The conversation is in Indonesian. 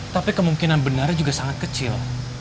tapi kemungkinan benarnya juga sangat kecil